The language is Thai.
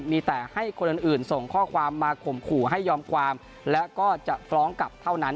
มีแต่ให้คนอื่นส่งข้อความมาข่มขู่ให้ยอมความและก็จะฟ้องกลับเท่านั้น